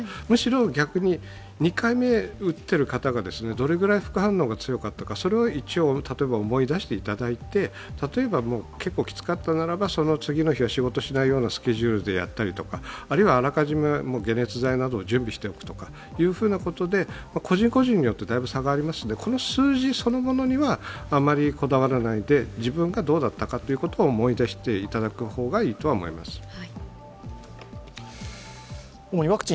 むしろ、逆に２回目打っている方がどれぐらい副反応が強かったかそれを思い出していただいて結構きつかったならば、その次の日は仕事しないようなスケジュールにするとかあるいはあらかじめ解熱剤などを準備しておくということで個人個人によってだいぶ差がありますので、この数字そのものにはあまりこだわらないで自分がどうだったかを思い出していただく方がいいかとは思います。